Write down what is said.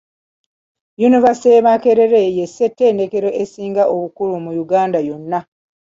Yunivaasite y'e Makerere ye ssettendekero esinga obukulu mu Uganda yonna